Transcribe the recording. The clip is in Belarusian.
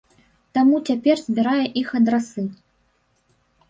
Таму цяпер збірае іх адрасы.